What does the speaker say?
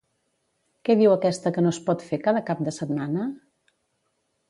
Què diu aquesta que no es pot fer cada cap de setmana?